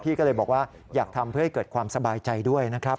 ก็เลยบอกว่าอยากทำเพื่อให้เกิดความสบายใจด้วยนะครับ